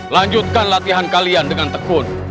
lanjutkan latihan kalian dengan tekun